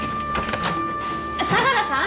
相良さん！？